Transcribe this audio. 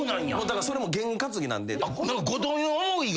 だからそれも験担ぎなんで。